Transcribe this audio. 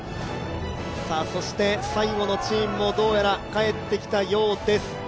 最後のチームもどうやら帰ってきたようです。